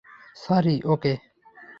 Sorry - ওকে।